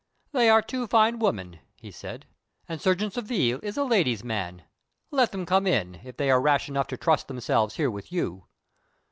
"They are two fine women," he said, "and Surgeon Surville is a ladies' man. Let them come in, if they are rash enough to trust themselves here with you."